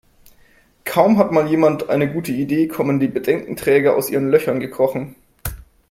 Kaum hat mal jemand eine gute Idee, kommen die Bedenkenträger aus ihren Löchern gekrochen.